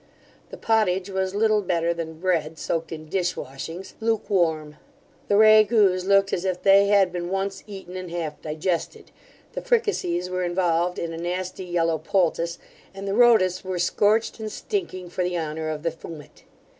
The pottage was little better than bread soaked in dishwashings, lukewarm. The ragouts looked as if they had been once eaten and half digested: the fricassees were involved in a nasty yellow poultice: and the rotis were scorched and stinking, for the honour of the fumet.